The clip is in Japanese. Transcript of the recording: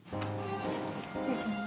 失礼します。